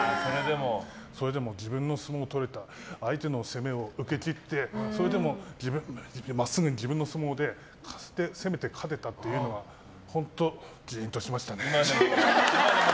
それでも自分の相撲を取れた相手の攻めを受けきってそれでも真っすぐに自分の相撲で攻めて勝てたっていうのが本当ジーンとしましたね。